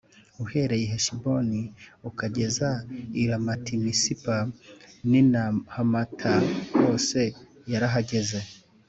Uhereye i Heshiboni ukageza i Ramatimisipa n’i Nahamata hose yarahageze